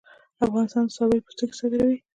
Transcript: افغانستان د څارویو پوستکي صادروي